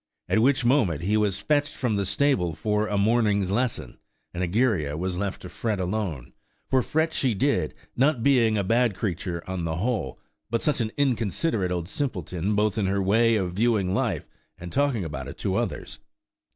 At which moment he was fetched from the stable for a morning's lesson, and Egeria was left to fret alone. For fret she did, not being a bad creature on the whole, but such an inconsiderate old simpleton, both in her way of viewing life and talking about it to others!